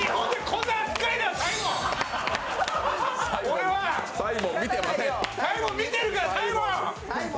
俺はサイモン見てるか、サイモン！